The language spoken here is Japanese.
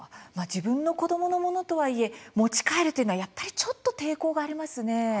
自分の子どものものとはいえ、持ち帰るというのはやっぱり、ちょっと抵抗がありますね。